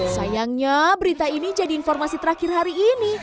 sayangnya berita ini jadi informasi terakhir hari ini